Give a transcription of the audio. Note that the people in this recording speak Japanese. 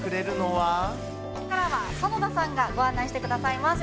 ここからは園田さんがご案内してくださいます。